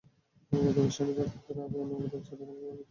গতকাল শনিবার রাতে তাঁকে নগরের ছোট বনগ্রাম এলাকা থেকে আটক করা হয়।